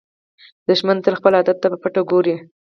دښمن تل خپل هدف ته په پټه ګوري